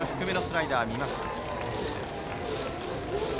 この低めのスライダーを見ました。